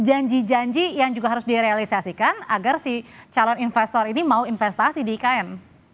janji janji yang juga harus direalisasikan agar si calon investor ini mau investasi di ikn